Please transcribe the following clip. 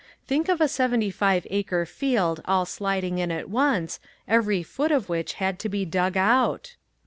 Think of a seventy five acre field all sliding in at once, every foot of which had to be dug out!